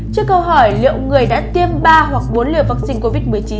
trước câu hỏi liệu người đã tiêm ba hoặc bốn liều vaccine covid một mươi chín